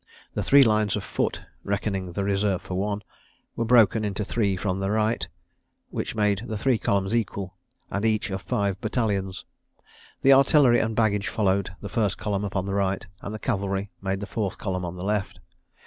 The three lines of foot (reckoning the reserve for one) were broken into three from the right, which made the three columns equal, and each of five battalions. The artillery and baggage followed the first column upon the right, and the cavalry made the fourth column on the left.